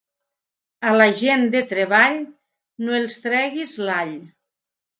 A la gent de treball, no els treguis l'all.